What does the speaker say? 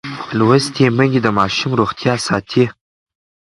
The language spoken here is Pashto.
لوستې میندې د ماشوم روغتیا ساتي.